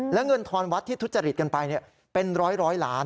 และเงินทอนวัดที่ทุจริตกันไปเป็นร้อยล้าน